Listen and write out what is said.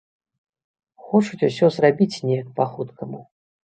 Хочуць усё зрабіць неяк па хуткаму.